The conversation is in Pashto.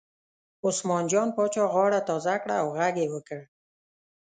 عثمان جان پاچا غاړه تازه کړه او غږ یې وکړ.